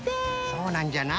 そうなんじゃな。